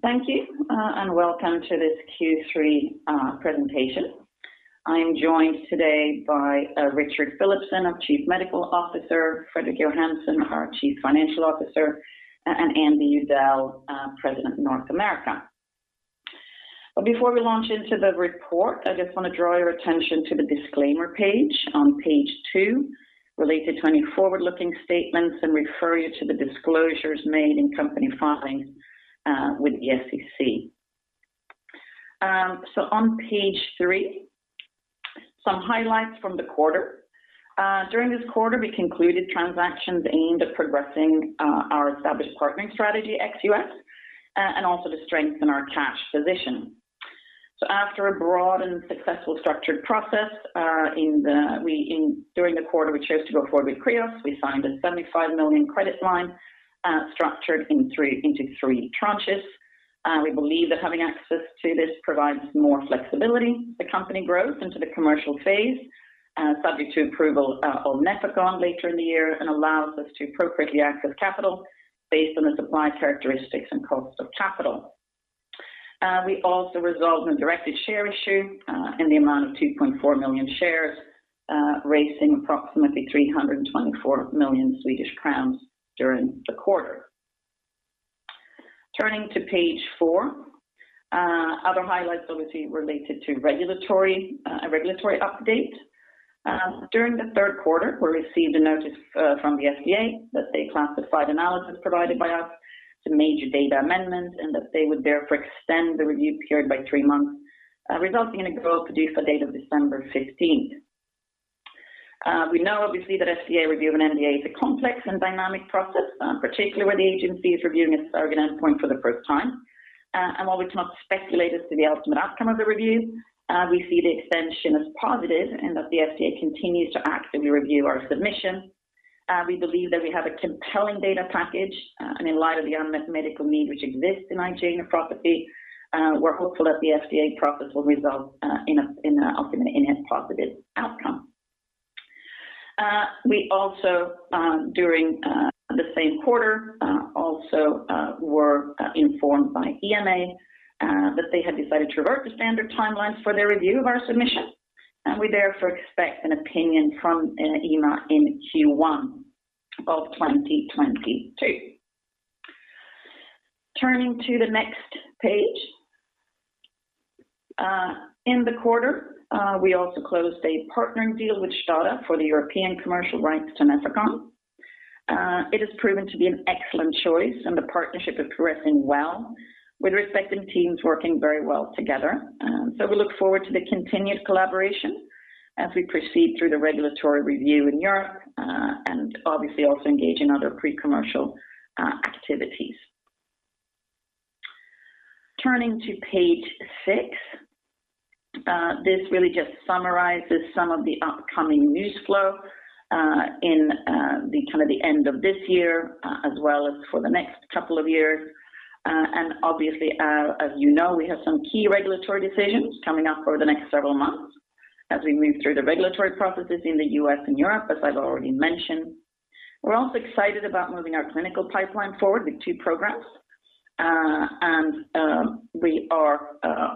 Thank you and welcome to this Q3 presentation. I'm joined today by Richard Philipson, our Chief Medical Officer, Fredrik Johansson, our Chief Financial Officer, and Andrew Udell, President of North America. Before we launch into the report, I just want to draw your attention to the disclaimer page on page 2 related to any forward-looking statements and refer you to the disclosures made in company filings with the SEC. On page 3, some highlights from the quarter. During this quarter, we concluded transactions aimed at progressing our established partnering strategy ex-US and also to strengthen our cash position. After a broad and successful structured process, during the quarter, we chose to go forward with Kreos. We signed a $75 million credit line, structured into three tranches. We believe that having access to this provides more flexibility. As the company grows into the commercial phase, subject to approval of Nefecon later in the year and allows us to appropriately access capital based on the supply characteristics and cost of capital. We also resolved a directed share issue in the amount of 2.4 million shares, raising approximately 324 million Swedish crowns during the quarter. Turning to page 4. Other highlights obviously related to regulatory, a regulatory update. During the third quarter, we received a notice from the FDA that they classified the responses provided by us as major amendments and that they would therefore extend the review period by 3 months, resulting in a PDUFA date of December 15th. We know obviously that FDA review of an NDA is a complex and dynamic process, particularly where the agency is reviewing a surrogate endpoint for the first time. While we cannot speculate as to the ultimate outcome of the review, we see the extension as positive and that the FDA continues to actively review our submission. We believe that we have a compelling data package, and in light of the unmet medical need which exists in IgA nephropathy, we're hopeful that the FDA process will result in an ultimate positive outcome. We also, during the same quarter, were informed by EMA that they had decided to revert to standard timelines for their review of our submission. We therefore expect an opinion from EMA in Q1 of 2022. Turning to the next page. In the quarter, we also closed a partnering deal with Stada for the European commercial rights to Nefecon. It has proven to be an excellent choice, and the partnership is progressing well with respective teams working very well together. We look forward to the continued collaboration as we proceed through the regulatory review in Europe, and obviously also engage in other pre-commercial activities. Turning to page six. This really just summarizes some of the upcoming news flow, in the kind of the end of this year, as well as for the next couple of years. Obviously, as you know, we have some key regulatory decisions coming up over the next several months as we move through the regulatory processes in the U.S. and Europe, as I've already mentioned. We're also excited about moving our clinical pipeline forward with two programs. We are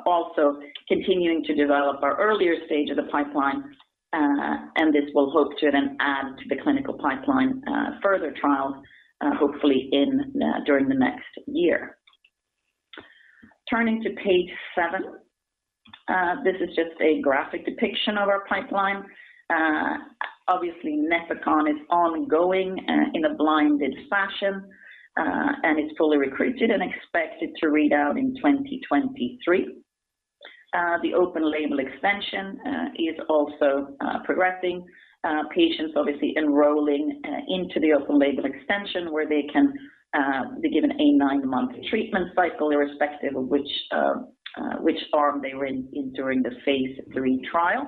also continuing to develop our earlier stage of the pipeline, and this will hope to then add to the clinical pipeline further trials, hopefully during the next year. Turning to page seven. This is just a graphic depiction of our pipeline. Obviously Nefecon is ongoing in a blinded fashion and is fully recruited and expected to read out in 2023. The open-label extension is also progressing. Patients obviously enrolling into the open-label extension where they can be given a nine-month treatment cycle irrespective of which arm they were in during the phase III trial.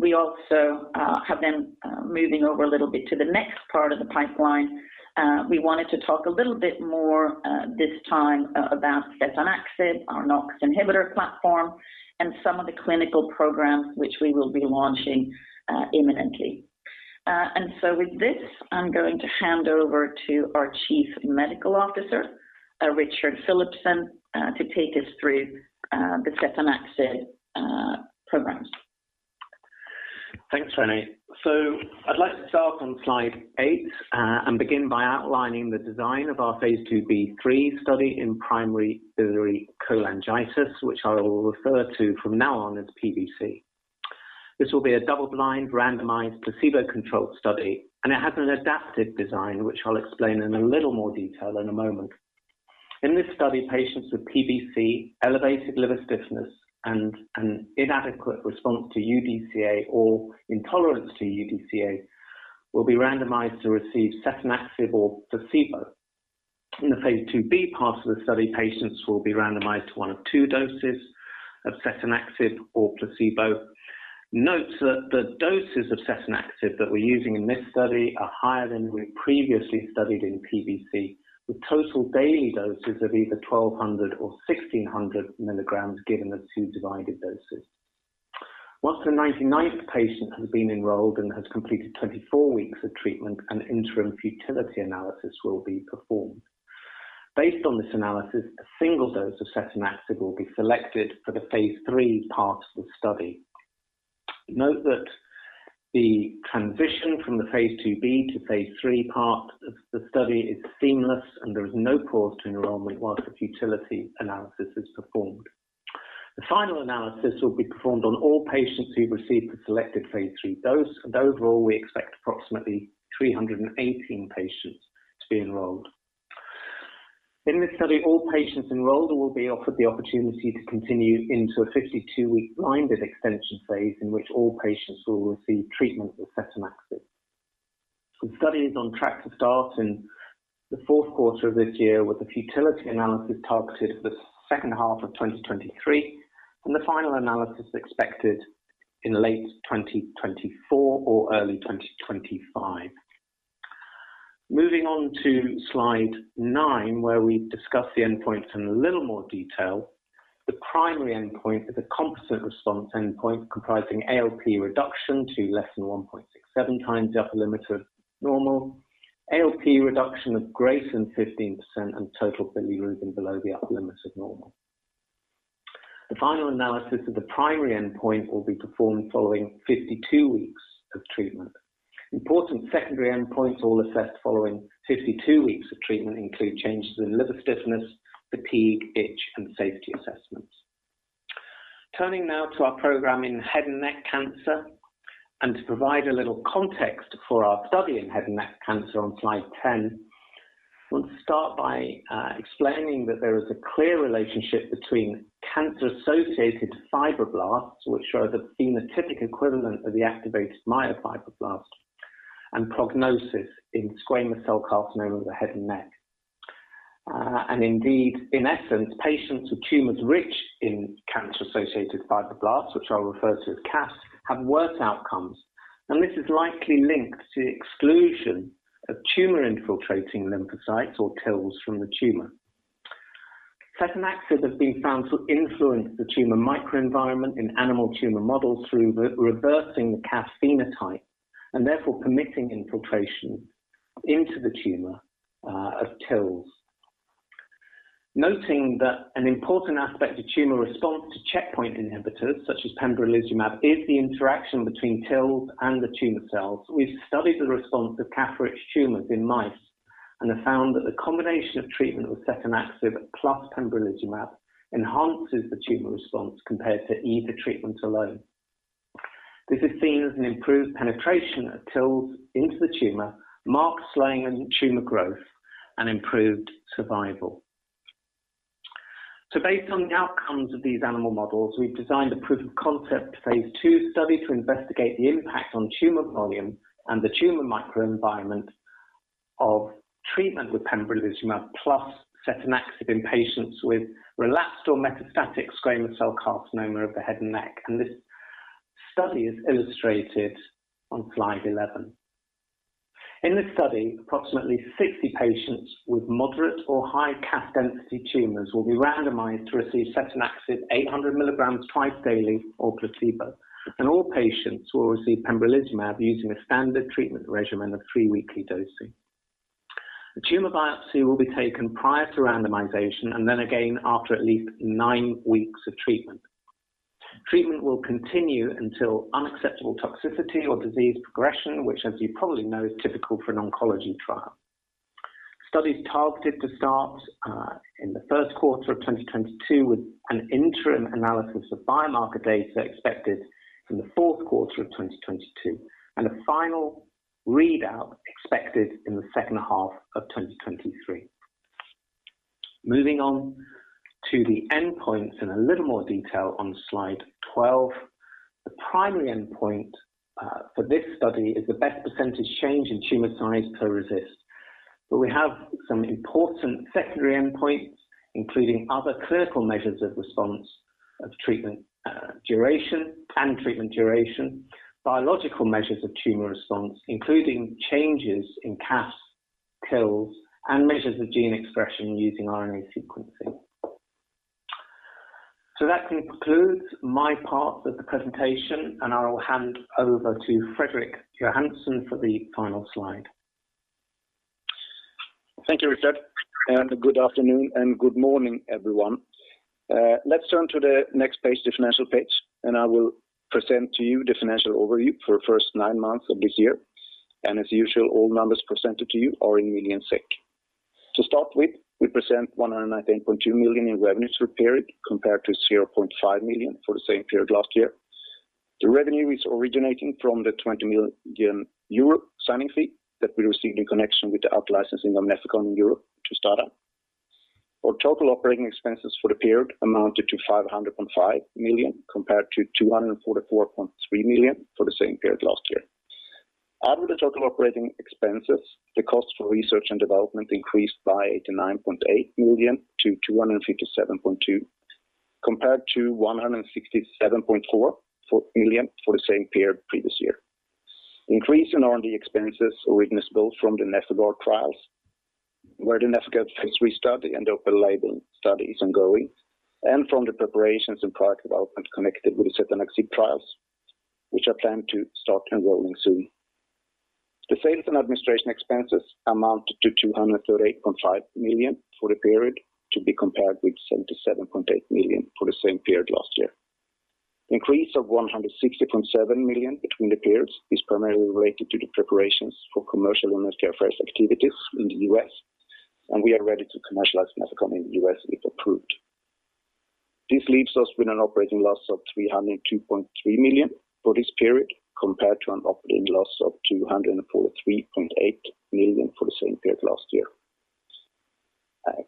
We also have been moving over a little bit to the next part of the pipeline. We wanted to talk a little bit more this time about setanaxib, our NOX inhibitor platform, and some of the clinical programs which we will be launching imminently. With this, I'm going to hand over to our Chief Medical Officer, Richard Philipson, to take us through the setanaxib programs. Thanks Renée. I'd like to start on slide 8 and begin by outlining the design of our phase II-B/III study in primary biliary cholangitis, which I will refer to from now on as PBC. This will be a double-blind, randomized, placebo-controlled study, and it has an adaptive design, which I'll explain in a little more detail in a moment. In this study, patients with PBC, elevated liver stiffness, and an inadequate response to UDCA or intolerance to UDCA will be randomized to receive setanaxib or placebo. In the phase II-B part of the study, patients will be randomized to one of two doses of setanaxib or placebo. Note that the doses of setanaxib that we're using in this study are higher than we previously studied in PBC, with total daily doses of either 1200 mg or 1600 mg given as two divided doses. Once the 99th patient has been enrolled and has completed 24 weeks of treatment, an interim futility analysis will be performed. Based on this analysis, a single dose of setanaxib will be selected for the phase III part of the study. Note that the transition from the phase II-B to phase III part of the study is seamless and there is no pause to enrollment while the futility analysis is performed. The final analysis will be performed on all patients who've received the selected phase III dose, and overall, we expect approximately 318 patients to be enrolled. In this study, all patients enrolled will be offered the opportunity to continue into a 52-week blinded extension phase in which all patients will receive treatment with setanaxib. The study is on track to start in the fourth quarter of this year with the futility analysis targeted for the second half of 2023, and the final analysis expected in late 2024 or early 2025. Moving on to slide 9, where we discuss the endpoint in a little more detail. The primary endpoint is a composite response endpoint comprising ALP reduction to less than 1.67x the upper limit of normal, ALP reduction of greater than 15%, and total bilirubin below the upper limit of normal. The final analysis of the primary endpoint will be performed following 52 weeks of treatment. Important secondary endpoints, all assessed following 52 weeks of treatment include changes in liver stiffness, fatigue, itch, and safety assessments. Turning now to our program in head and neck cancer, and to provide a little context for our study in head and neck cancer on slide 10. We'll start by explaining that there is a clear relationship between cancer-associated fibroblasts, which are the phenotypic equivalent of the activated myofibroblast, and prognosis in squamous cell carcinoma of the head and neck. In essence, patients with tumors rich in cancer-associated fibroblasts, which I'll refer to as CAFs, have worse outcomes. This is likely linked to exclusion of tumor-infiltrating lymphocytes or TILs from the tumor. Setanaxib has been found to influence the tumor microenvironment in animal tumor models through reversing the CAF phenotype and therefore permitting infiltration into the tumor of TILs. Noting that an important aspect of tumor response to checkpoint inhibitors such as pembrolizumab is the interaction between TILs and the tumor cells. We've studied the response of CAF-rich tumors in mice and have found that the combination of treatment with setanaxib plus pembrolizumab enhances the tumor response compared to either treatment alone. This is seen as an improved penetration of TILs into the tumor, marked slowing in tumor growth and improved survival. Based on the outcomes of these animal models, we've designed a proof-of-concept phase II study to investigate the impact on tumor volume and the tumor microenvironment of treatment with pembrolizumab plus setanaxib in patients with relapsed or metastatic squamous cell carcinoma of the head and neck. This study is illustrated on slide 11. In this study, approximately 60 patients with moderate or high CAFs density tumors will be randomized to receive setanaxib 800 milligrams twice daily or placebo. All patients will receive pembrolizumab using a standard treatment regimen of three weekly dosing. A tumor biopsy will be taken prior to randomization and then again after at least 9 weeks of treatment. Treatment will continue until unacceptable toxicity or disease progression, which as you probably know, is typical for an oncology trial. The study is targeted to start in the first quarter of 2022, with an interim analysis of biomarker data expected in the fourth quarter of 2022, and a final readout expected in the second half of 2023. Moving on to the endpoints in a little more detail on slide 12. The primary endpoint for this study is the best percentage change in tumor size per RECIST. We have some important secondary endpoints, including other clinical measures of response of treatment, duration and treatment duration, biological measures of tumor response, including changes in CAFs, TILs, and measures of gene expression using RNA sequencing. That concludes my part of the presentation, and I will hand over to Fredrik Johansson for the final slide. Thank you Richard, and good afternoon and good morning everyone. Let's turn to the next page, the financial page, and I will present to you the financial overview for first nine months of this year. As usual, all numbers presented to you are in million SEK. To start with, we present 119.2 million in revenues for the period, compared to 0.5 million for the same period last year. The revenue is originating from the 20 million euro signing fee that we received in connection with the out licensing of Nefecon in Europe to Stada. Our total operating expenses for the period amounted to 505 million, compared to 244.3 million for the same period last year. Out of the total operating expenses, the cost for research and development increased by 89.8 million to 257.2 million, compared to 167.4 million for the same period previous year. Increase in R&D expenses were witnessed both from the Nefecon trials, where the Nefecon phase III study and open-label study is ongoing, and from the preparations and product development connected with the setanaxib trials, which are planned to start enrolling soon. The sales and administration expenses amounted to 238.5 million for the period, to be compared with 77.8 million for the same period last year. Increase of 160.7 million between the periods is primarily related to the preparations for commercial and healthcare affairs activities in the U.S., and we are ready to commercialize Nefecon in the U.S. if approved. This leaves us with an operating loss of 302.3 million for this period, compared to an operating loss of 243.8 million for the same period last year.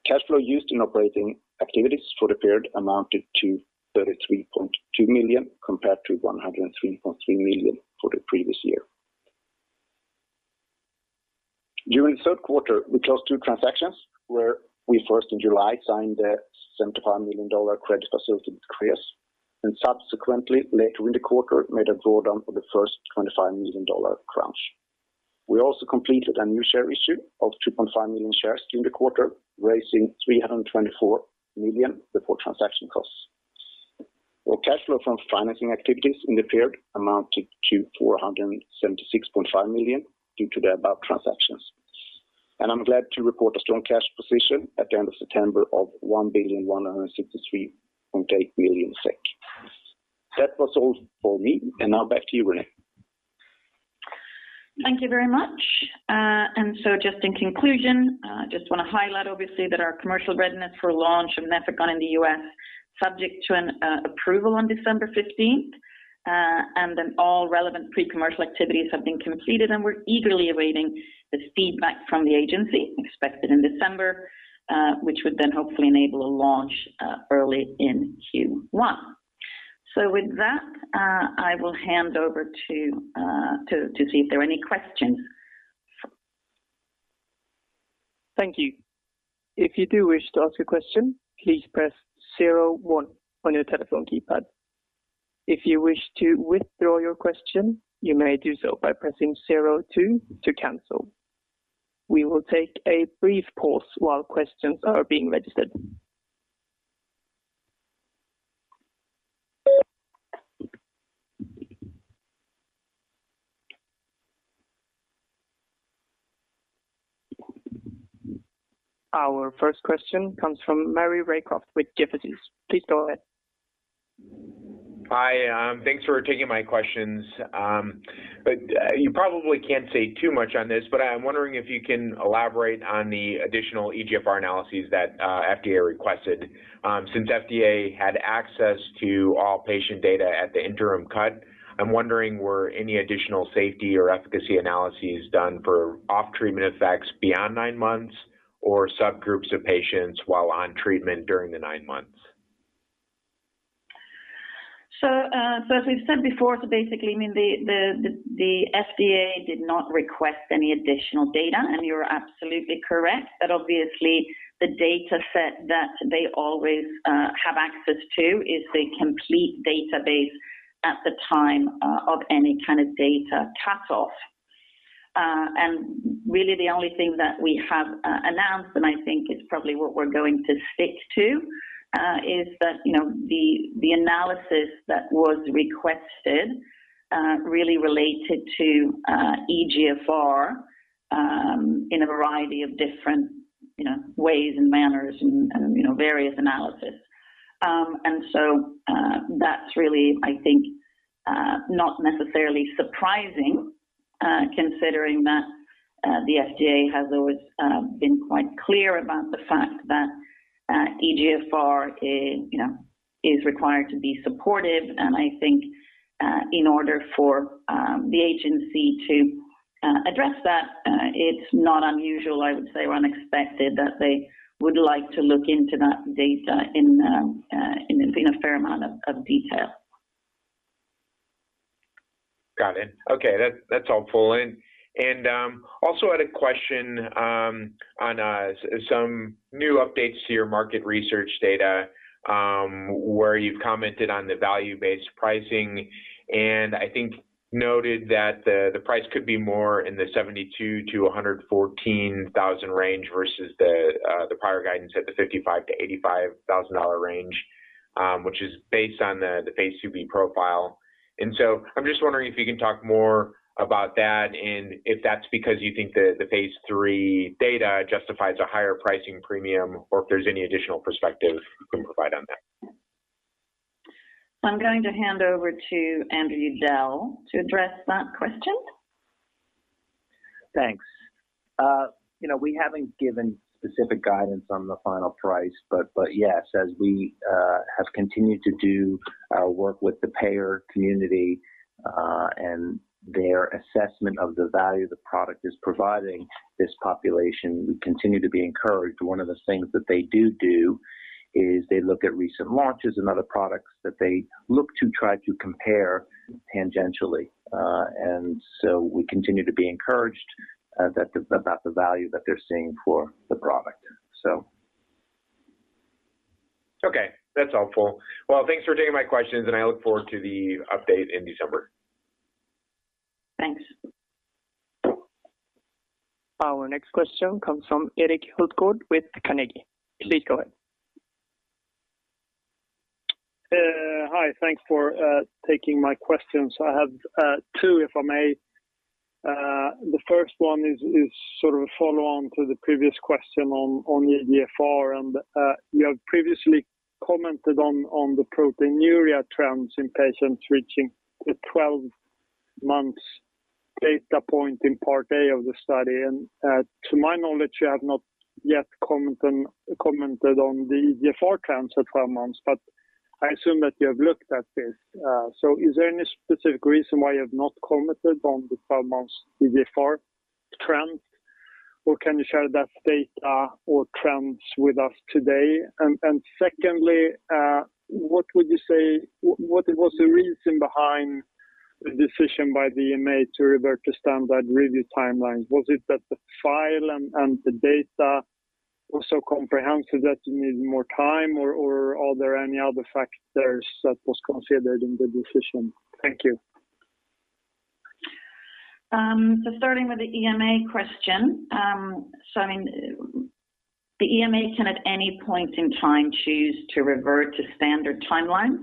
Cash flow used in operating activities for the period amounted to 33.2 million compared to 103.3 million for the previous year. During the third quarter, we closed two transactions where we first in July signed a $75 million credit facility with Kreos and subsequently later in the quarter made a draw down for the first $25 million tranche. We also completed a new share issue of 2.5 million shares during the quarter, raising 324 million before transaction costs. Our cash flow from financing activities in the period amounted to 476.5 million due to the above transactions. I'm glad to report a strong cash position at the end of September of 1,163.8 million SEK. That was all for me. Now back to you, Renee. Thank you very much. Just in conclusion, I just want to highlight obviously that our commercial readiness for launch of Nefecon in the U.S. subject to an approval on December fifteenth. Then all relevant pre-commercial activities have been completed, and we're eagerly awaiting this feedback from the agency expected in December, which would then hopefully enable a launch early in Q1. With that, I will hand over to see if there are any questions. Our first question comes from Maury Raycroft with Jefferies. Please go ahead. Hi. Thanks for taking my questions. You probably can't say too much on this, but I'm wondering if you can elaborate on the additional eGFR analyses that FDA requested. Since FDA had access to all patient data at the interim cut, I'm wondering were any additional safety or efficacy analyses done for off treatment effects beyond nine months or subgroups of patients while on treatment during the nine months? As we've said before, basically, I mean, the FDA did not request any additional data, and you're absolutely correct. That obviously the dataset that they always have access to is the complete database at the time of any kind of data cut-off. Really the only thing that we have announced, and I think is probably what we're going to stick to, is that, you know, the analysis that was requested really related to eGFR in a variety of different, you know, ways and manners and, you know, various analysis. That's really, I think, not necessarily surprising, considering that the FDA has always been quite clear about the fact that eGFR is, you know, is required to be supportive. I think in order for the agency to address that, it's not unusual, I would say, or unexpected that they would like to look into that data in a fair amount of detail. Got it. Okay. That's helpful. On some new updates to your market research data, where you've commented on the value-based pricing and I think noted that the price could be more in the $72 thousand-$114 thousand range versus the prior guidance at the $55 thousand-$85 thousand range, which is based on the phase IIb profile. I'm just wondering if you can talk more about that and if that's because you think the phase III data justifies a higher pricing premium or if there's any additional perspective you can provide on that. I'm going to hand over to Andrew Udell to address that question. Thanks. You know, we haven't given specific guidance on the final price, but yes, as we have continued to do our work with the payer community, and their assessment of the value the product is providing this population, we continue to be encouraged. One of the things that they do is they look at recent launches and other products that they look to try to compare tangentially. We continue to be encouraged about the value that they're seeing for the product. Okay, that's helpful. Well, thanks for taking my questions, and I look forward to the update in December. Thanks. Our next question comes from Erik Hultgård with Carnegie. Please go ahead. Hi. Thanks for taking my questions. I have two, if I may. The first one is sort of a follow-on to the previous question on the eGFR. You have previously commented on the proteinuria trends in patients reaching the 12 months data point in part A of the study. To my knowledge, you have not yet commented on the eGFR trends at 5 months, but I assume that you have looked at this. Is there any specific reason why you have not commented on the 5 months eGFR trends, or can you share that data or trends with us today? Secondly, what was the reason behind the decision by the EMA to revert to standard review timeline? Was it that the file and the data was so comprehensive that you needed more time, or are there any other factors that was considered in the decision? Thank you. Starting with the EMA question. I mean, the EMA can at any point in time choose to revert to standard timelines.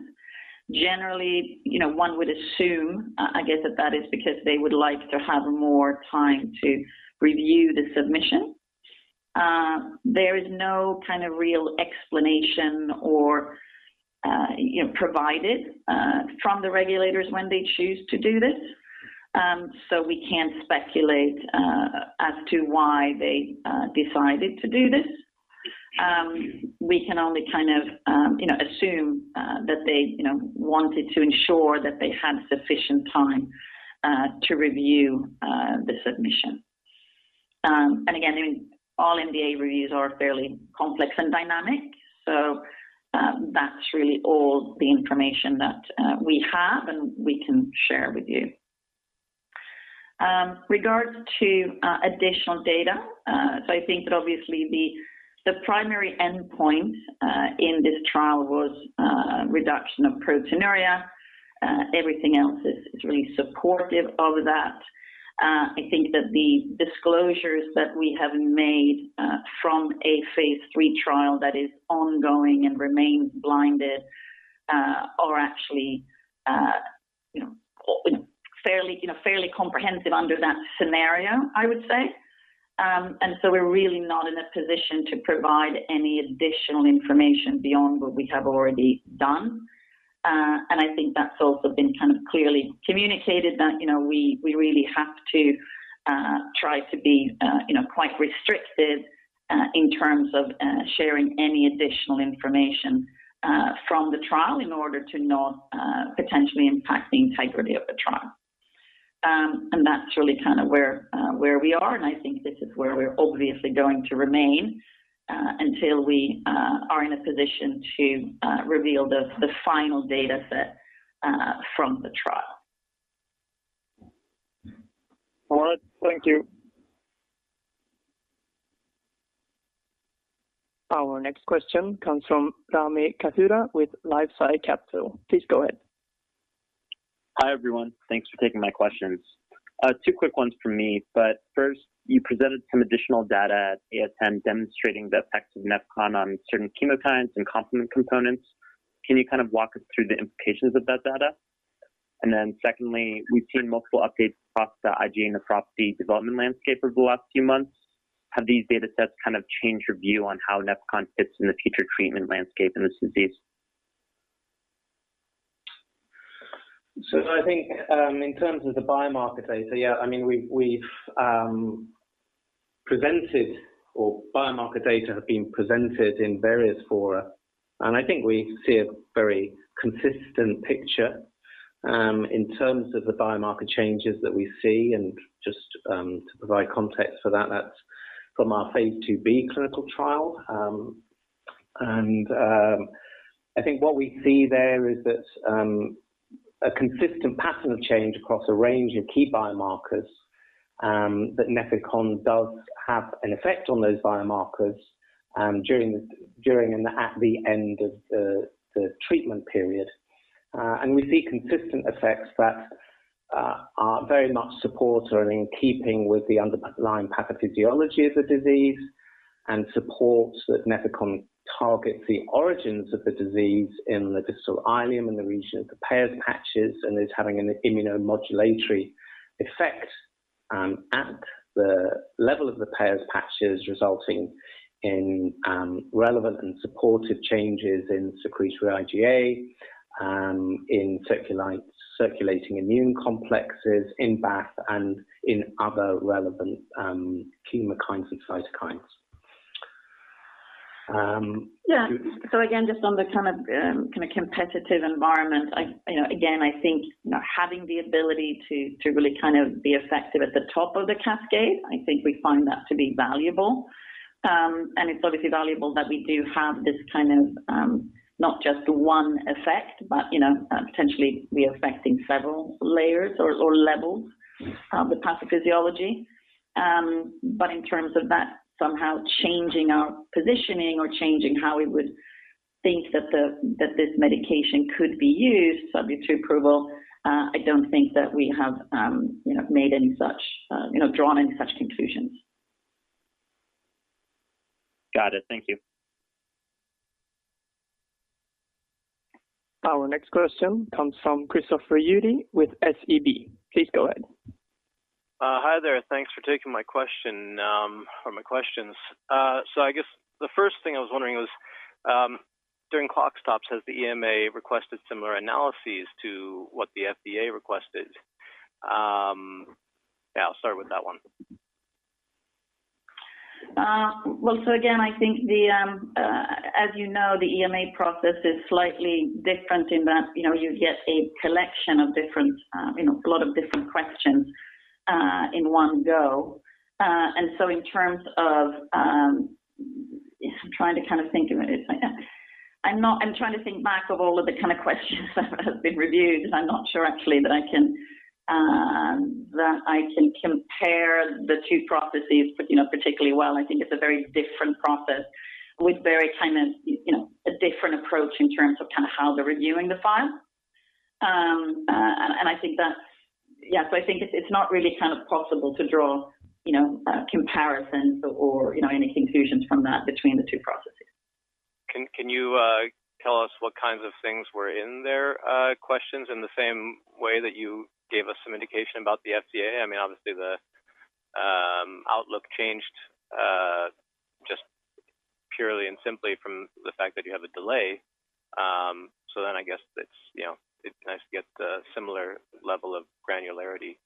Generally, you know, one would assume, I guess that is because they would like to have more time to review the submission. There is no kind of real explanation or, you know, provided from the regulators when they choose to do this. We can't speculate as to why they decided to do this. We can only kind of, you know, assume that they, you know, wanted to ensure that they had sufficient time to review the submission. Again, I mean, all NDA reviews are fairly complex and dynamic, so that's really all the information that we have and we can share with you. Regarding additional data. I think that obviously the primary endpoint in this trial was reduction of proteinuria. Everything else is really supportive of that. I think that the disclosures that we have made from a phase III trial that is ongoing and remains blinded are actually you know fairly comprehensive under that scenario, I would say. We're really not in a position to provide any additional information beyond what we have already done. I think that's also been kind of clearly communicated that you know we really have to try to be you know quite restricted in terms of sharing any additional information from the trial in order to not potentially impact the integrity of the trial. That's really kind of where we are, and I think this is where we're obviously going to remain until we are in a position to reveal the final dataset from the trial. All right. Thank you. Our next question comes from Rami Katkhuda with LifeSci Capital. Please go ahead. Hi, everyone. Thanks for taking my questions. Two quick ones from me. First, you presented some additional data at ASN demonstrating the effects of Nefecon on certain chemokines and complement components. Can you kind of walk us through the implications of that data? Secondly, we've seen multiple updates across the IgA and across the development landscape over the last few months. Have these datasets kind of changed your view on how Nefecon fits in the future treatment landscape in this disease? I think in terms of the biomarker data, yeah, I mean, we've presented our biomarker data have been presented in various fora. I think we see a very consistent picture in terms of the biomarker changes that we see. Just to provide context for that's from our phase II-B clinical trial. I think what we see there is that a consistent pattern of change across a range of key biomarkers that Nefecon does have an effect on those biomarkers during and at the end of the treatment period. We see consistent effects that are very much support or are in keeping with the underlying pathophysiology of the disease and supports that Nefecon targets the origins of the disease in the distal ileum, in the region of Peyer's patches, and is having an immunomodulatory effect at the level of the Peyer's patches, resulting in relevant and supportive changes in secretory IgA in circulating immune complexes in Gd-IgA1 and in other relevant chemokines and cytokines. Yeah. Again, just on the kind of competitive environment, you know, again, I think you know, having the ability to really kind of be effective at the top of the cascade, I think we find that to be valuable. It's obviously valuable that we do have this kind of, not just one effect, but you know, potentially we are affecting several layers or levels of the pathophysiology. In terms of that somehow changing our positioning or changing how we would think that this medication could be used, subject to approval, I don't think that we have you know, made any such, you know, drawn any such conclusions. Got it. Thank you. Our next question comes from Christopher Udy with SEB. Please go ahead. Hi there. Thanks for taking my question, or my questions. I guess the first thing I was wondering was, during clock stops, has the EMA requested similar analyses to what the FDA requested? Yeah, I'll start with that one. Well, again, I think, as you know, the EMA process is slightly different in that, you know, you get a collection of different, you know, a lot of different questions in one go. In terms of, I'm trying to kind of think of it. I'm trying to think back of all of the kind of questions that have been reviewed, because I'm not sure actually that I can compare the two processes, you know, particularly well. I think it's a very different process with very kind of, you know, a different approach in terms of kind of how they're reviewing the file. I think that. Yeah. I think it's not really kind of possible to draw, you know, comparisons or, you know, any conclusions from that between the two processes. Can you tell us what kinds of things were in their questions in the same way that you gave us some indication about the FDA? I mean, obviously the outlook changed just purely and simply from the fact that you have a delay. I guess it's, you know, it's nice to get the similar level of granularity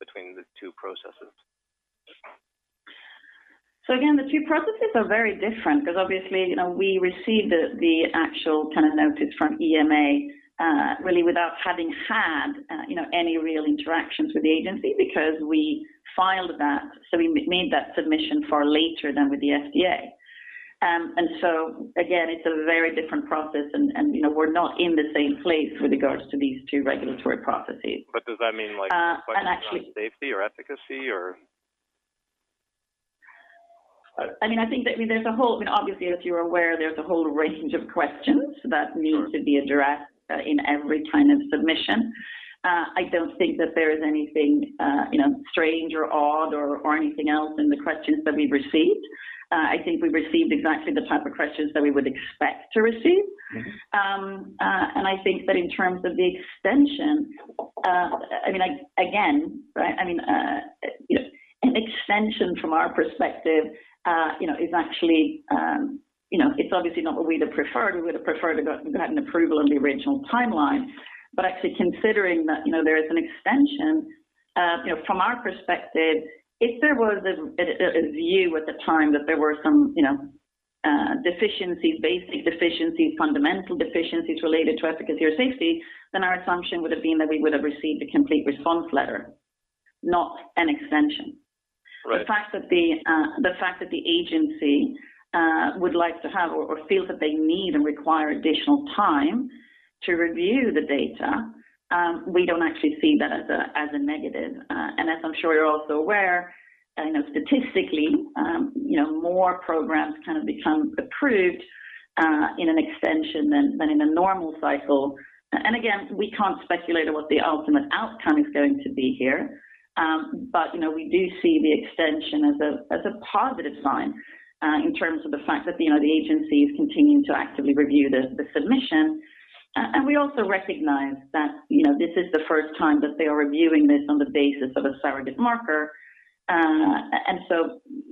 between the two processes. Again, the two processes are very different because obviously, you know, we received the actual kind of notice from EMA really without having had, you know, any real interactions with the agency because we filed that. We made that submission far later than with the FDA. Again, it's a very different process and, you know, we're not in the same place with regards to these two regulatory processes. Does that mean like? Actually Questions on safety or efficacy or, I mean, obviously, as you're aware, there's a whole range of questions that need to be addressed in every kind of submission. I don't think that there is anything, you know, strange or odd or anything else in the questions that we've received. I think we've received exactly the type of questions that we would expect to receive. Mm-hmm. I think that in terms of the extension, I mean, again, right, I mean, you know, an extension from our perspective, you know, is actually, you know, it's obviously not what we'd have preferred. We would have preferred to go, to have an approval on the original timeline. Actually considering that, you know, there is an extension, you know, from our perspective, if there was a view at the time that there were some, you know, deficiencies, basic deficiencies, fundamental deficiencies related to efficacy or safety, then our assumption would have been that we would have received a Complete Response Letter, not an extension. Right. The fact that the agency would like to have or feels that they need and require additional time to review the data, we don't actually see that as a negative. As I'm sure you're also aware, you know, statistically, you know, more programs kind of become approved in an extension than in a normal cycle. Again, we can't speculate on what the ultimate outcome is going to be here. You know, we do see the extension as a positive sign in terms of the fact that, you know, the agency is continuing to actively review the submission. We also recognize that, you know, this is the first time that they are reviewing this on the basis of a surrogate marker.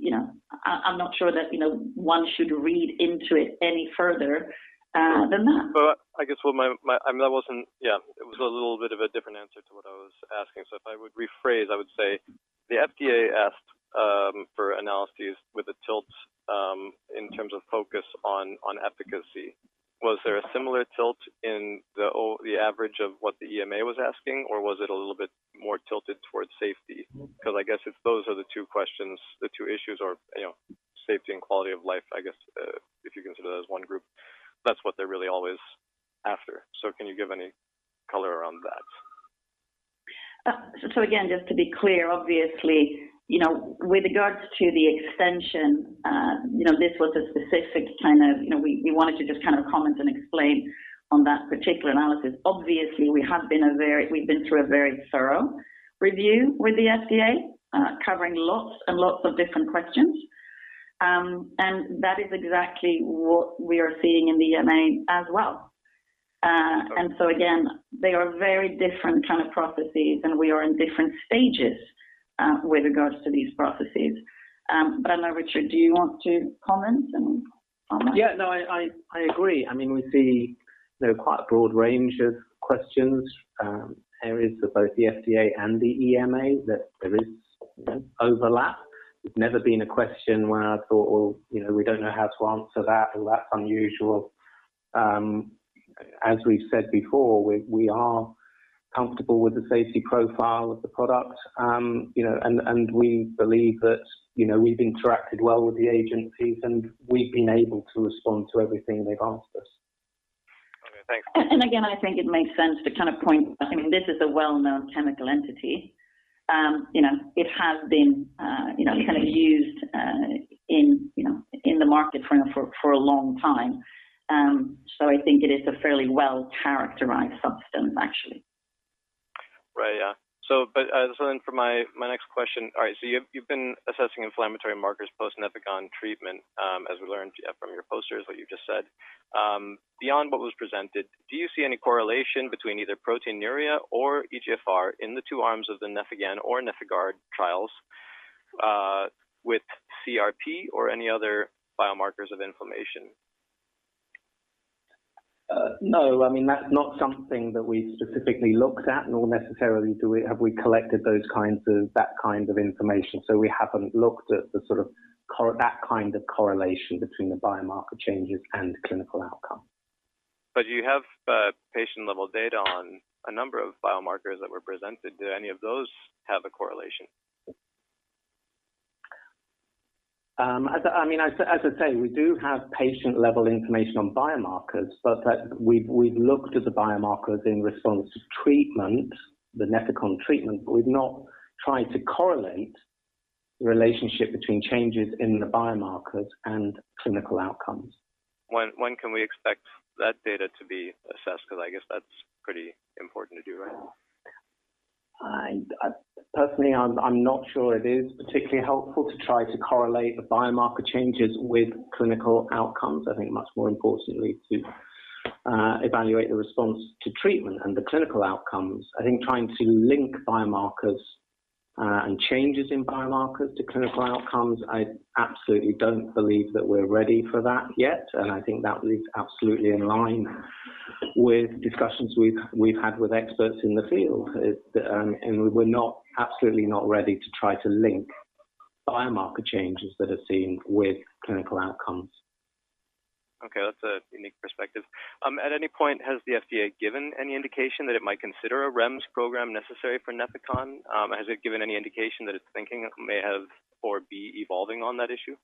you know, I'm not sure that, you know, one should read into it any further than that. I guess that was a little bit of a different answer to what I was asking. If I would rephrase, I would say the FDA asked for analyses with a tilt in terms of focus on efficacy. Was there a similar tilt in the average of what the EMA was asking, or was it a little bit more tilted towards safety? Because I guess if those are the two questions, the two issues are, you know, safety and quality of life, I guess, if you consider those one group, that's what they're really always after. Can you give any color around that? Again, just to be clear, obviously, you know, with regards to the extension, you know, this was a specific kind of, you know, we wanted to just kind of comment and explain on that particular analysis. Obviously, we have been a very thorough review with the FDA, covering lots and lots of different questions. That is exactly what we are seeing in the EMA as well. Again, they are very different kind of processes, and we are in different stages, with regards to these processes. I know, Richard, do you want to comment and follow up? Yeah. No, I agree. I mean, we see, you know, quite a broad range of questions, areas of both the FDA and the EMA that there is overlap. There's never been a question where I thought, "Well, you know, we don't know how to answer that," or, "That's unusual." As we've said before, we are comfortable with the safety profile of the product. You know, and we believe that, you know, we've interacted well with the agencies, and we've been able to respond to everything they've asked us. I think it makes sense. I mean, this is a well-known chemical entity. You know, it has been, you know, kind of used in, you know, in the market for a long time. So I think it is a fairly well-characterized substance, actually. For my next question. All right. You've been assessing inflammatory markers post Nefecon treatment, as we learned from your posters, what you just said. Beyond what was presented, do you see any correlation between either proteinuria or eGFR in the two arms of the NEFIGARD trials, with CRP or any other biomarkers of inflammation? No. I mean, that's not something that we specifically looked at, nor necessarily have we collected that kind of information. So we haven't looked at that kind of correlation between the biomarker changes and clinical outcome. You have patient-level data on a number of biomarkers that were presented. Do any of those have a correlation? As I say, we do have patient-level information on biomarkers, but we've looked at the biomarkers in response to treatment, the Nefecon treatment, but we've not tried to correlate the relationship between changes in the biomarkers and clinical outcomes. When can we expect that data to be assessed? 'Cause I guess that's pretty important to do, right? Personally, I'm not sure it is particularly helpful to try to correlate the biomarker changes with clinical outcomes. I think much more importantly to evaluate the response to treatment and the clinical outcomes. I think trying to link biomarkers and changes in biomarkers to clinical outcomes, I absolutely don't believe that we're ready for that yet, and I think that is absolutely in line with discussions we've had with experts in the field. We're not, absolutely not ready to try to link biomarker changes that are seen with clinical outcomes. Okay, that's a unique perspective. At any point, has the FDA given any indication that it might consider a REMS program necessary for Nefecon? Has it given any indication that it's thinking it may have or be evolving on that issue?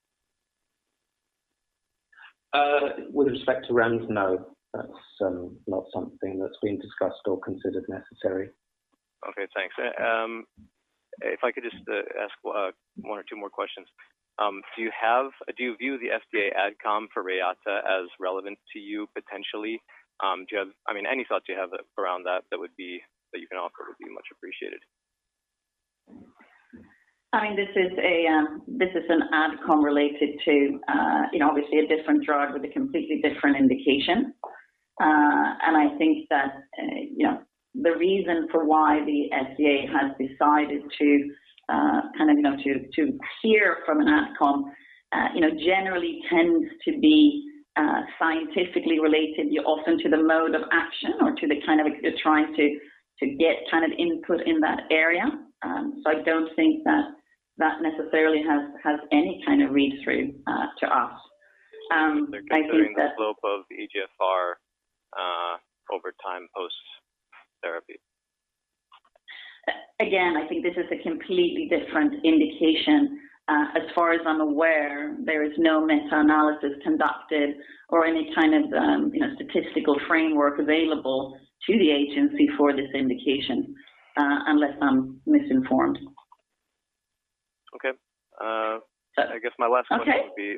With respect to REMS, no. That's not something that's been discussed or considered necessary. Okay, thanks. If I could just ask one or two more questions. Do you view the FDA AdCom for Reata as relevant to you potentially? Do you have, I mean, any thoughts you have around that that you can offer would be much appreciated. I mean, this is an AdCom related to, you know, obviously a different drug with a completely different indication. I think that, you know, the reason for why the FDA has decided to, kind of, you know, to hear from an AdCom, you know, generally tends to be scientifically related often to the mode of action. They're trying to get kind of input in that area. I don't think that necessarily has any kind of read-through to us. I think that Considering the slope of the eGFR, over time post therapy. Again, I think this is a completely different indication. As far as I'm aware, there is no meta-analysis conducted or any kind of, you know, statistical framework available to the agency for this indication, unless I'm misinformed. Okay. So- I guess my last question. Okay.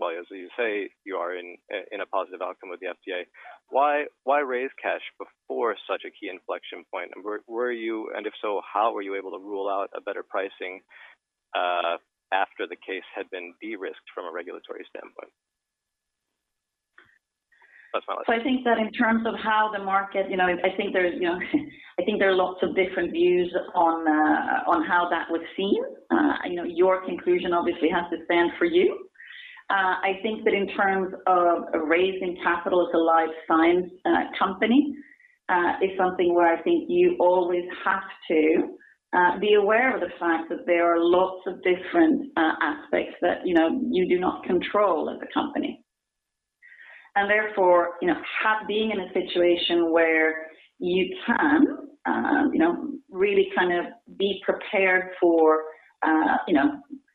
Well, as you say, you are in a positive outcome with the FDA. Why raise cash before such a key inflection point? And were you, and if so, how were you able to rule out a better pricing after the case had been de-risked from a regulatory standpoint? That's my last question. I think that in terms of how the market, you know, I think there are lots of different views on how that would seem. You know, your conclusion obviously has to stand for you. I think that in terms of raising capital as a life science company is something where I think you always have to be aware of the fact that there are lots of different aspects that, you know, you do not control as a company. Therefore, you know, being in a situation where you can, you know, really kind of be prepared for, you know,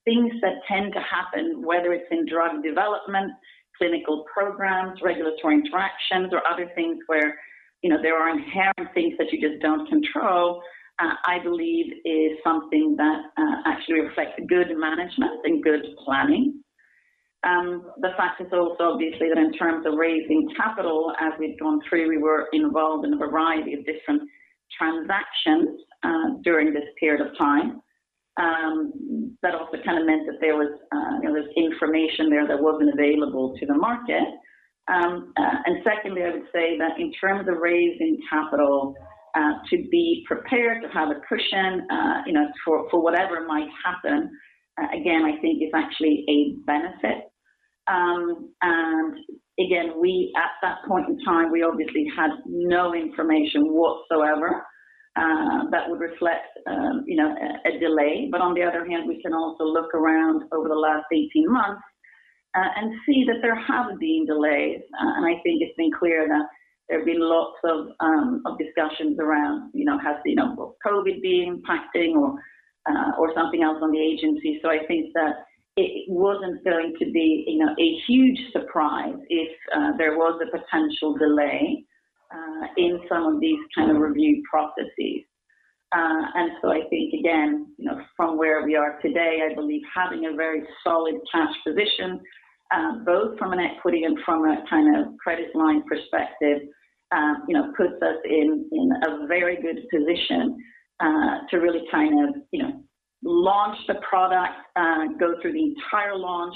things that tend to happen, whether it's in drug development, clinical programs, regulatory interactions or other things where, you know, there are inherent things that you just don't control, I believe is something that, actually reflects good management and good planning. The fact is also obviously that in terms of raising capital as we've gone through, we were involved in a variety of different transactions, during this period of time. That also kind of meant that there was information there that wasn't available to the market. Secondly, I would say that in terms of raising capital, to be prepared to have a cushion, you know, for whatever might happen, again, I think is actually a benefit. Again, we at that point in time, we obviously had no information whatsoever, that would reflect, you know, a delay. But on the other hand, we can also look around over the last 18 months, and see that there have been delays. I think it's been clear that there have been lots of discussions around, you know, has COVID been impacting or something else on the agency. I think that it wasn't going to be, you know, a huge surprise if there was a potential delay in some of these kind of review processes. I think, again, you know, from where we are today, I believe having a very solid cash position, both from an equity and from a kind of credit line perspective, you know, puts us in a very good position, to really kind of, you know, launch the product, go through the entire launch,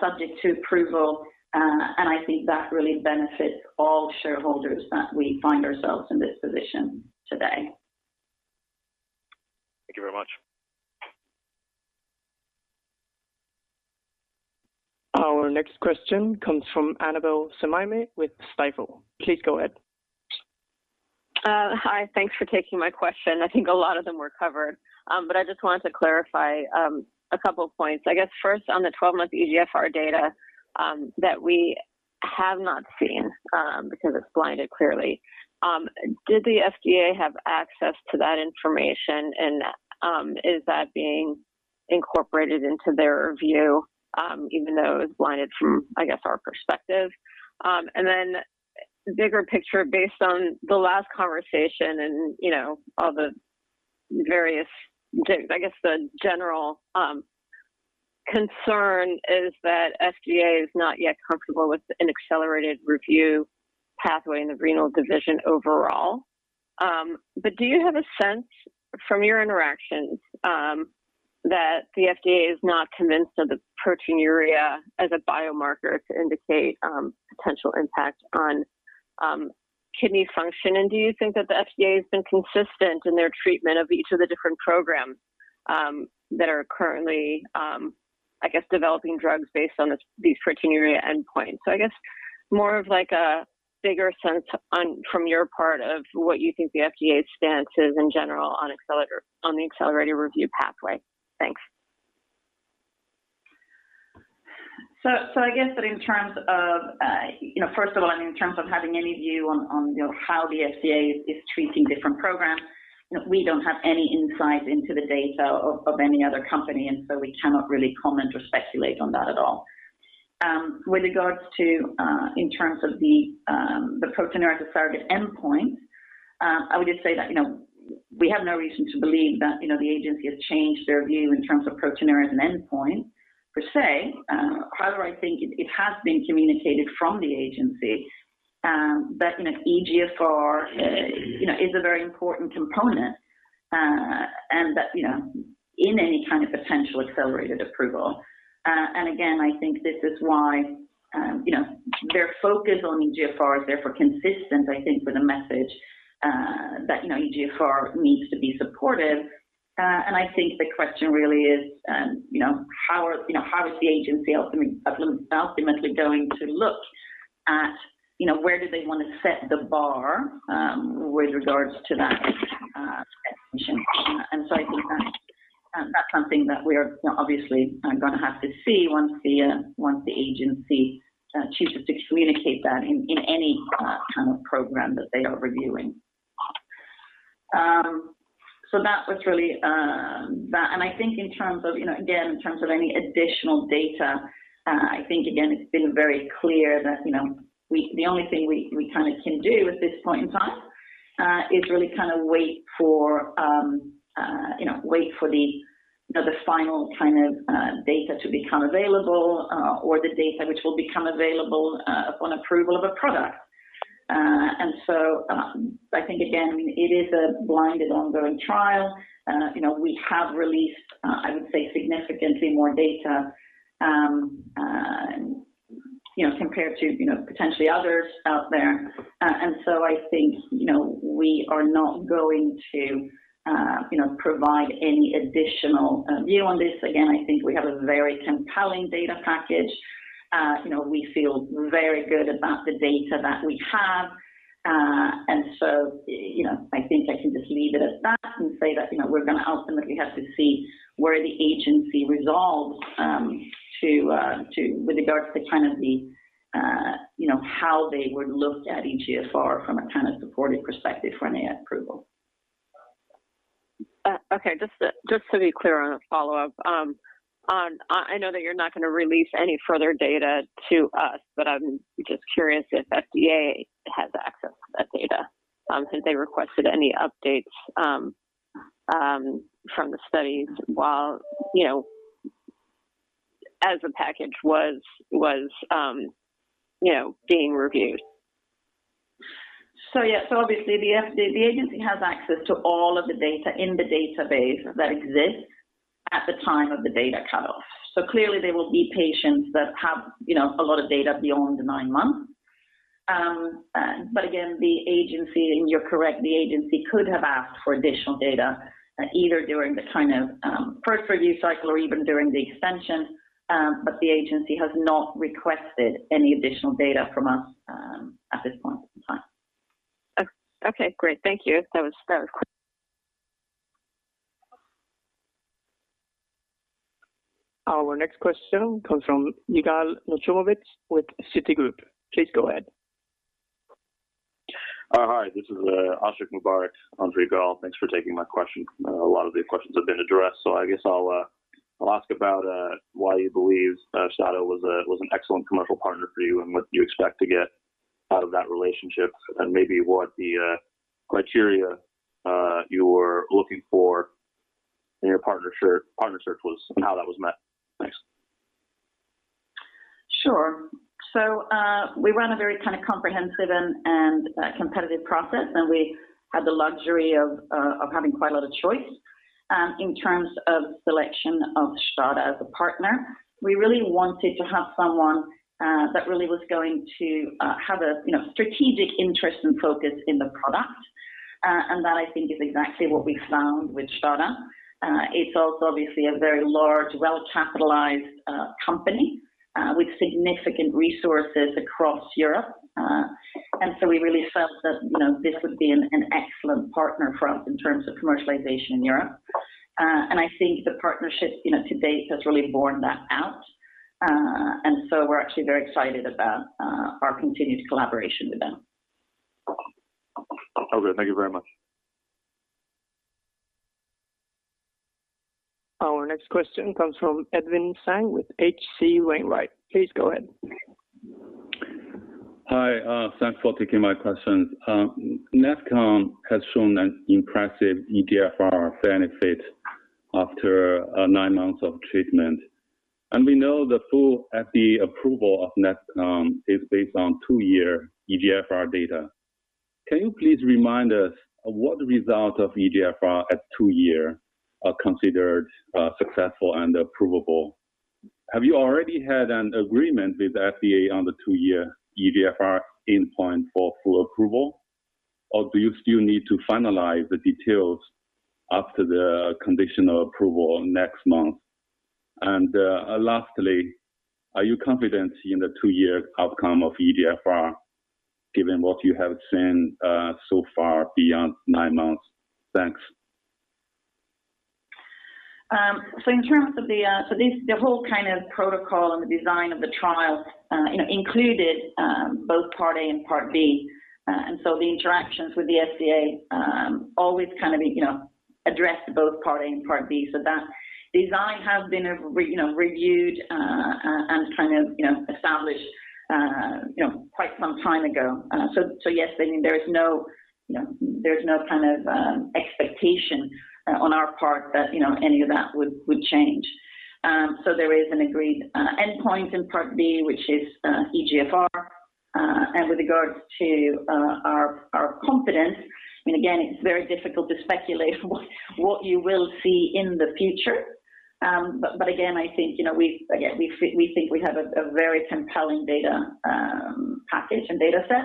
subject to approval. I think that really benefits all shareholders that we find ourselves in this position today. Thank you very much. Our next question comes from Annabel Samimy with Stifel. Please go ahead. Hi. Thanks for taking my question. I think a lot of them were covered. But I just wanted to clarify a couple of points. I guess first on the 12-month eGFR data that we have not seen because it's blinded clearly. Did the FDA have access to that information? And is that being incorporated into their review even though it's blinded from, I guess, our perspective? And then the bigger picture, based on the last conversation and, you know, all the various things, I guess the general concern is that FDA is not yet comfortable with an accelerated approval pathway in the renal division overall. Do you have a sense from your interactions that the FDA is not convinced of the proteinuria as a biomarker to indicate potential impact on kidney function? Do you think that the FDA has been consistent in their treatment of each of the different programs that are currently developing drugs based on this, these proteinuria endpoints? I guess more of, like, a bigger sense from your part of what you think the FDA's stance is in general on the accelerated review pathway. Thanks. I guess that in terms of, you know, first of all, I mean, in terms of having any view on, you know, how the FDA is treating different programs, you know, we don't have any insight into the data of any other company, and so we cannot really comment or speculate on that at all. With regards to, in terms of the proteinuria as a target endpoint, I would just say that, you know, we have no reason to believe that, you know, the agency has changed their view in terms of proteinuria as an endpoint per se. However, I think it has been communicated from the agency, that, you know, eGFR, you know, is a very important component, and that, you know, in any kind of potential accelerated approval. Again, I think this is why, you know, their focus on eGFR is therefore consistent, I think, with the message that, you know, eGFR needs to be supported. I think the question really is, you know, how are, you know, how is the agency ultimately going to look at, you know, where do they want to set the bar with regards to that recognition? I think that's something that we are, you know, obviously gonna have to see once the agency chooses to communicate that in any kind of program that they are reviewing. That was really, that... I think in terms of, you know, again, in terms of any additional data, I think again, it's been very clear that, you know, the only thing we kinda can do at this point in time is really kinda wait for the final kind of data to become available, or the data which will become available upon approval of a product. I think again, it is a blinded ongoing trial. You know, we have released, I would say, significantly more data compared to potentially others out there. I think, you know, we are not going to provide any additional view on this. Again, I think we have a very compelling data package. You know, we feel very good about the data that we have. You know, I think I can just leave it at that and say that, you know, we're gonna ultimately have to see where the agency resolves with regards to kind of the, you know, how they would look at eGFR from a kind of supportive perspective when the FDA approval. Okay. Just to be clear on a follow-up. I know that you're not gonna release any further data to us, but I'm just curious if FDA has access to that data. Have they requested any updates from the studies while, you know, as the package was, you know, being reviewed? Obviously the agency has access to all of the data in the database that exists at the time of the data cutoff. Clearly there will be patients that have, you know, a lot of data beyond the nine months. Again, the agency, and you're correct, the agency could have asked for additional data either during the kind of first review cycle or even during the extension. The agency has not requested any additional data from us at this point in time. Okay, great. Thank you. That was quick. Our next question comes from Yigal Nochomovitz with Citigroup. Please go ahead. Hi. This is Ashik Mubarak on for Yigal. Thanks for taking my question. A lot of the questions have been addressed, so I guess I'll ask about why you believe Stada was an excellent commercial partner for you and what you expect to get out of that relationship, and maybe what the criteria you were looking for in your partner search was and how that was met. Thanks. Sure. We ran a very kind of comprehensive and competitive process, and we had the luxury of having quite a lot of choice in terms of selection of Stada as a partner. We really wanted to have someone that really was going to have a, you know, strategic interest and focus in the product. That I think is exactly what we found with Stada. It's also obviously a very large, well-capitalized company with significant resources across Europe. We really felt that, you know, this would be an excellent partner for us in terms of commercialization in Europe. I think the partnership, you know, to date, has really borne that out. We're actually very excited about our continued collaboration with them. Okay, thank you very much. Our next question comes from Edwin Zhang with H.C. Wainwright. Please go ahead. Hi, thanks for taking my questions. Nefecon has shown an impressive eGFR benefit after 9 months of treatment. We know the full FDA approval of Nefecon is based on 2-year eGFR data. Can you please remind us of what result of eGFR at 2-year are considered successful and approvable? Have you already had an agreement with FDA on the 2-year eGFR endpoint for full approval, or do you still need to finalize the details after the conditional approval next month? Lastly, are you confident in the 2-year outcome of eGFR, given what you have seen so far beyond 9 months? Thanks. This, the whole kind of protocol and the design of the trial included both part A and part B. The interactions with the FDA always kind of, you know, addressed both part A and part B. That design has been you know, reviewed and kind of, you know, established you know, quite some time ago. Yes, I mean, there is no, you know, there's no kind of expectation on our part that, you know, any of that would change. There is an agreed endpoint in part B, which is eGFR. With regards to our confidence, I mean, again, it's very difficult to speculate what you will see in the future. Again, I think, you know, we think we have a very compelling data package and dataset.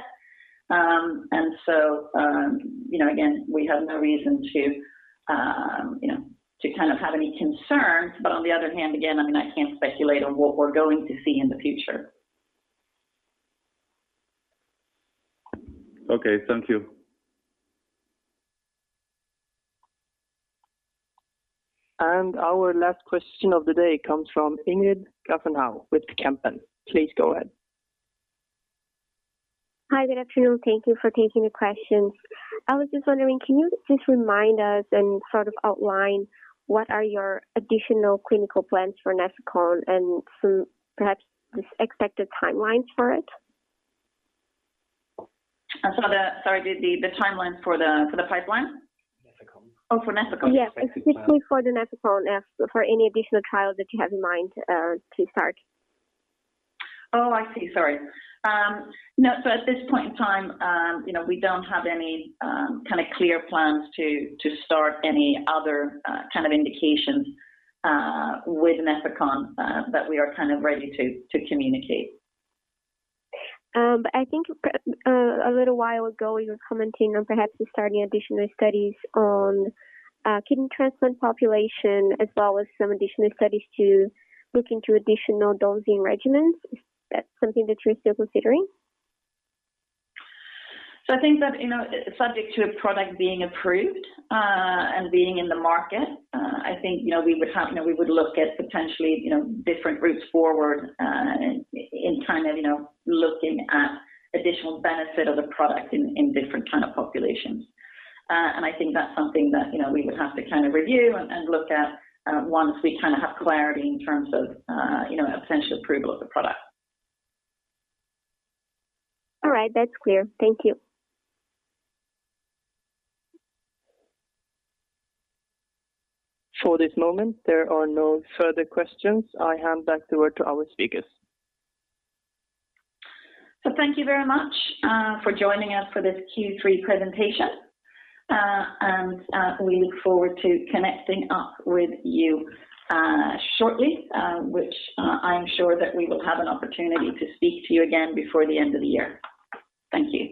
You know, again, we have no reason to, you know, to kind of have any concerns. On the other hand, again, I mean, I can't speculate on what we're going to see in the future. Okay, thank you. Our last question of the day comes from Ingrid Gafanhão with Kempen. Please go ahead. Hi, good afternoon. Thank you for taking the questions. I was just wondering, can you just remind us and sort of outline what are your additional clinical plans for Nefecon and some perhaps just expected timelines for it? Sorry, the timelines for the pipeline? Nefecon. Oh, for Nefecon. Yeah. Specifically for the Nefecon. As for any additional trials that you have in mind, to start. Oh, I see. Sorry. No, at this point in time, you know, we don't have any kind of clear plans to start any other kind of indications with Nefecon that we are kind of ready to communicate. I think a little while ago you were commenting on perhaps starting additional studies on kidney transplant population as well as some additional studies to look into additional dosing regimens. Is that something that you're still considering? I think that, you know, subject to a product being approved, and being in the market, I think, you know, we would look at potentially, you know, different routes forward, in terms of, you know, looking at additional benefit of the product in different kind of populations. I think that's something that, you know, we would have to kind of review and look at, once we kind of have clarity in terms of, you know, a potential approval of the product. All right. That's clear. Thank you. For this moment, there are no further questions. I hand back the word to our speakers. Thank you very much for joining us for this Q3 presentation. We look forward to connecting up with you shortly, which, I'm sure that we will have an opportunity to speak to you again before the end of the year. Thank you.